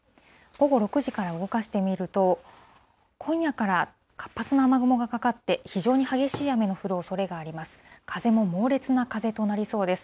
午後６時から動かしてみると、今夜から活発な雨雲がかかって、非常に激しい雨が降るおそれがあります。